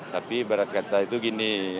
tapi ibarat kata itu gini